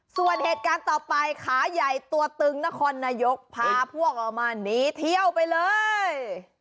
ส่วนเหตุการณ์ต่อไปขาใหญ่ตัวตึงนครนายกพาพวกออกมาหนีเที่ยวไปเลย